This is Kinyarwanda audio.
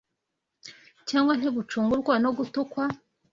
Cyangwa ntibucungurwa no gutukwa